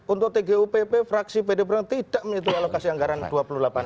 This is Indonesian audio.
untuk tgupp fraksi pdb tidak menitu alokasi anggaran dua puluh delapan miliar itu